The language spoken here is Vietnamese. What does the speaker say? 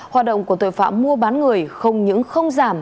hoạt động của tội phạm mua bán người không những không giảm